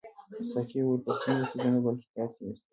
ساقي وویل په ستونزه کې زه نه بلکې تاسي یاست.